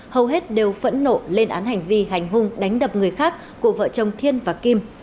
hầu hết đều phẫn nộ lên án hành vi hành hung đánh đập người khác của vợ chồng thiên và kim